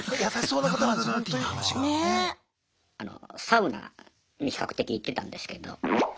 サウナに比較的行ってたんですけど。